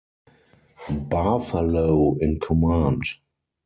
Barthalow in command.